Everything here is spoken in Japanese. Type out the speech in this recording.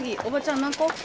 おばちゃん何個？